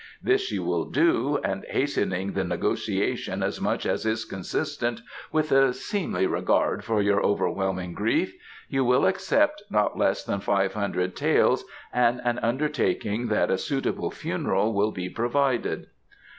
This you will do, and hastening the negotiation as much as is consistent with a seemly regard for your overwhelming grief, you will accept not less than five hundred taels and an undertaking that a suitable funeral will be provided."